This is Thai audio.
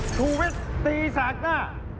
ทุวิทตีสากนะ